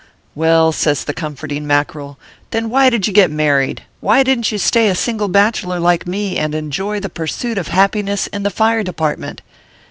" Well," says the comforting Mackerel, " then why did you get married ? Why didn t you stay a single bachelor like me, and enjoy the pursuit of happiness in the Fire Department